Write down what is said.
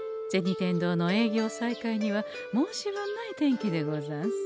天堂の営業再開には申し分ない天気でござんす。